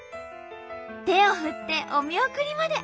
手を振ってお見送りまで。